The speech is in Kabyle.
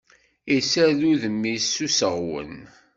Issared udem-is s useɣwen.